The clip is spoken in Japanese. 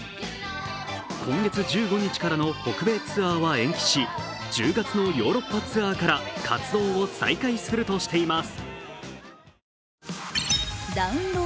今月１５日からの北米ツアーは延期し、１０月のヨーロッパツアーから活動を再開するとしています。